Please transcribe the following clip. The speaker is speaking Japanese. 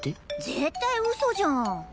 絶対ウソじゃん！